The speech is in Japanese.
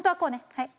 はい。